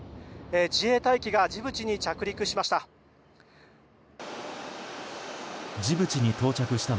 自衛隊機がジブチに着陸しました。